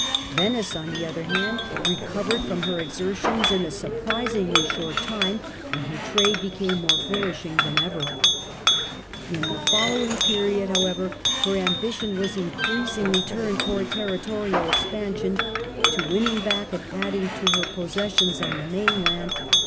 Venice, on the other hand, recovered from her exertions in a surprisingly short time, and her trade became more flourishing than ever. In the following period, however, her ambition was in creasingly turned towards territorial expansion, to win ning back and adding to her possessions on the main ITALY, 1313 1378 97 land.